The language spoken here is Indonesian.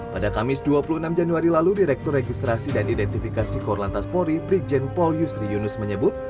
pada kamis dua puluh enam januari lalu direktur registrasi dan identifikasi korlantas polri brigjen paul yusri yunus menyebut